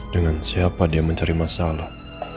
dengan siapa dia mencari masalah